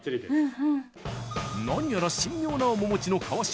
何やら神妙な面持ちの川島。